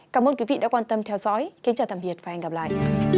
cảm ơn quý vị đã quan tâm theo dõi kính chào tạm biệt và hẹn gặp lại